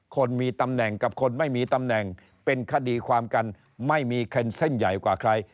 คนมีตำแหน่งกับคนไม่มีตำแหน่งเป็นคดีความกันไม่มีแคนเซิลใหญ่กว่าใคร